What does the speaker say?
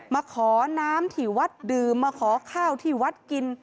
มาขอน้ำที่วัดดื่มมาขอข้าวที่วัดกิน